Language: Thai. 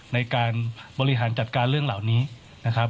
ในการบริหารจัดการเรื่องเหล่านี้นะครับ